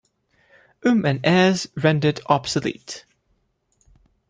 Um's and Er's rendered obsolete.